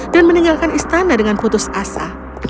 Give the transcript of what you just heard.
dan meninggalkan istana dengan putus asa